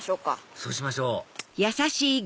そうしましょう！